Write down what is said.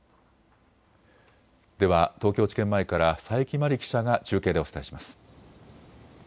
では東京地検前から佐伯麻里記者が中継でお伝えします。